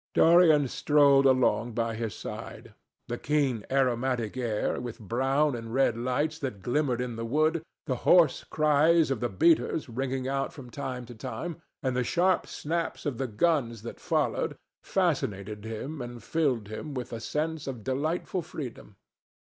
Dorian strolled along by his side. The keen aromatic air, the brown and red lights that glimmered in the wood, the hoarse cries of the beaters ringing out from time to time, and the sharp snaps of the guns that followed, fascinated him and filled him with a sense of delightful freedom.